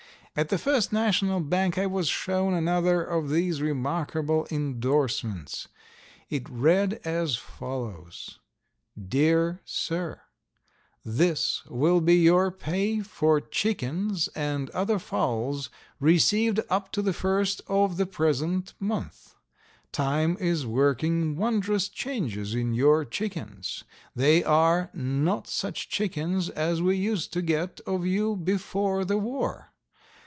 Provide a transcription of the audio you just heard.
At the First National Bank I was shown another of these remarkable indorsements. It read as follows: DEAR SIR: This will be your pay for chickens and other fowls received up to the first of the present month. Time is working wondrous changes in your chickens. They are not such chickens as we used to get of you before the war.